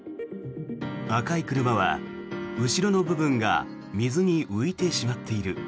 赤い車は後ろの部分が水に浮いてしまっている。